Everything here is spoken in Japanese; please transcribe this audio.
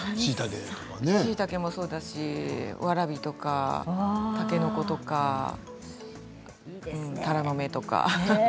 しいたけもそうですしわらびとか、たけのことかたらの芽とか。